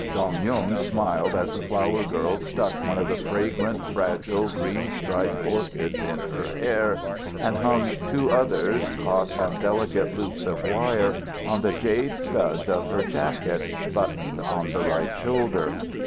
Dong Yung smiled as the flower girl stuck one of the fragrant, fragile, green striped orchids in her hair, and hung two others, caught on delicate loops of wire, on the jade studs of her jacket, buttoned on the right shoulder.